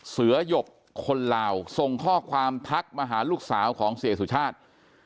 เสือหยกคนลาวส่งข้อความทักมาหาลูกสาวของเสียสุชาติ